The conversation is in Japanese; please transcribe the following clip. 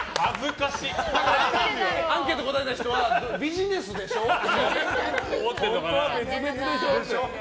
アンケート答えた人は本当は別々でしょって。